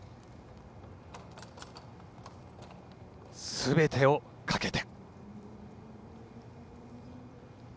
すべてをかけて。